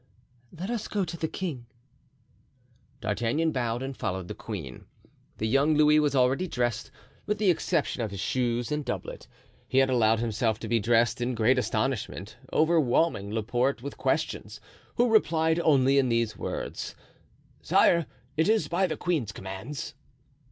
"Let us go to the king." D'Artagnan bowed and followed the queen. The young Louis was already dressed, with the exception of his shoes and doublet; he had allowed himself to be dressed, in great astonishment, overwhelming Laporte with questions, who replied only in these words, "Sire, it is by the queen's commands."